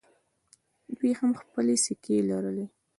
دوی هم خپلې سکې لرلې